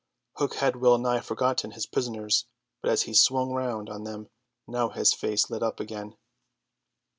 Hook had well nigh forgotten his prisoners, but as he swung round on them now his face lit up again.